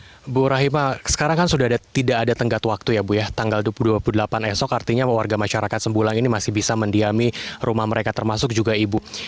ibu rahimah sekarang kan sudah tidak ada tenggat waktu ya bu ya tanggal dua puluh dua puluh delapan esok artinya warga masyarakat sembulang ini masih bisa mendiami rumah mereka termasuk juga ibu